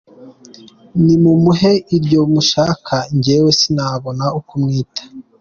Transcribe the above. Nimumuhe iryo mushaka njyewe sinabona uko mwita.